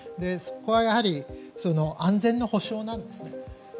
そこはやはり安全の保障なんです。